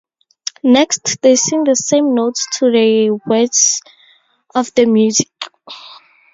Next, they sing the same notes to the words of the music.